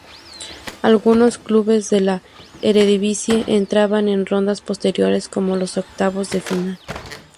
Algunos clubes de la Eredivisie entraban en rondas posteriores, como los octavos de final.